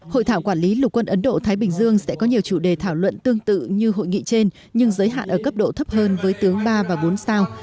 hội thảo quản lý lục quân ấn độ thái bình dương sẽ có nhiều chủ đề thảo luận tương tự như hội nghị trên nhưng giới hạn ở cấp độ thấp hơn với tướng ba và bốn sao